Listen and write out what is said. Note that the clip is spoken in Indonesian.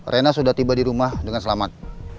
rena sudah tiba di rumah dengan selamat